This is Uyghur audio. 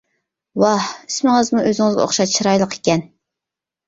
ۋاھ، ئىسمىڭىزمۇ ئۆزىڭىزگە ئوخشاش چىرايلىق ئىكەن.